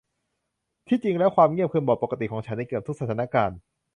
ที่จริงแล้ว ความเงียบคือโหมดปกติของฉันในเกือบทุกสถานการณ์